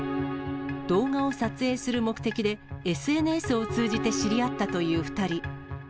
動画を撮影する目的でＳＮＳを通じて知り合ったという２人。